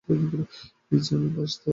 Lessee আমি bus থামাবো।